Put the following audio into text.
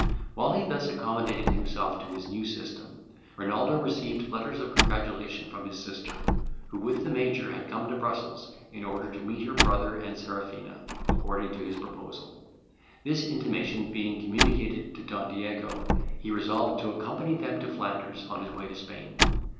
While he thus accommodated himself to his new system, Renaldo received letters of congratulation from his sister, who with the Major had come to Brussels, in order to meet her brother and Serafina, according to his proposal. This intimation being communicated to Don Diego, he resolved to accompany them to Flanders, on his way to Spain.